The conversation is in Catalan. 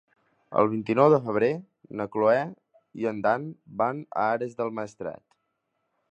El vint-i-nou de febrer na Cloè i en Dan van a Ares del Maestrat.